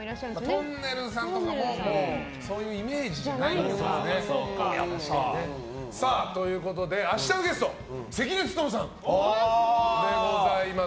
とんねるずさんとかもそういうイメージじゃということで明日のゲストは関根勤さんでございます。